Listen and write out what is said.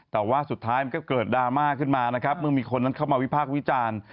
แต่ว่าสุดท้ายก็เกิดดราม่ขึ้นมามีคนนั้นเข้ามาวิพากษ์วิจาร